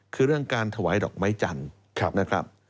คือเรื่องการถวายดอกไม้จันทร์นะครับ